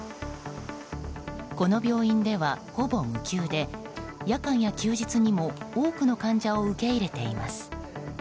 この病院では、ほぼ無休で夜間や休日にも多くの患者を受け入れています。